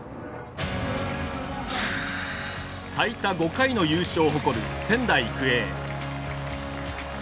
最多５回の優勝を誇る仙台育英。